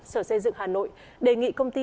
sở xây dựng hà nội đề nghị công ty